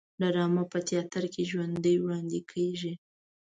ډرامه په تیاتر کې ژوندی وړاندې کیږي